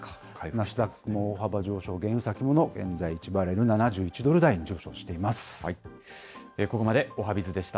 ナスダックも大幅上昇、原油先物、現在１バレル７１ドル台に上昇しています。